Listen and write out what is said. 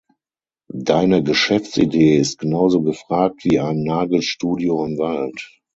Deine Geschäftsidee ist genau so gefragt wie ein Nagelstudio im Wald.